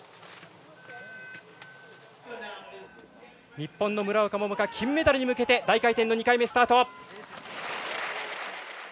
日本の村岡桃佳金メダルに向けて大回転の２回目スタート！